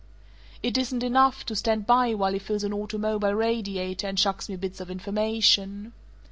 "It isn't enough, to stand by while he fills an automobile radiator and chucks me bits of information.